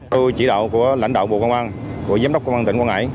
tôi chỉ đạo của lãnh đạo bộ công an của giám đốc công an tỉnh quảng ngãi